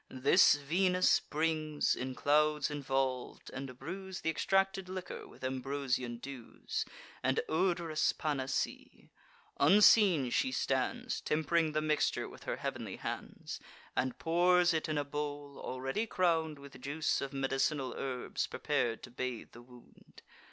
This Venus brings, in clouds involv'd, and brews Th' extracted liquor with ambrosian dews, And odorous panacee. Unseen she stands, Temp'ring the mixture with her heav'nly hands, And pours it in a bowl, already crown'd With juice of med'c'nal herbs prepar'd to bathe the wound.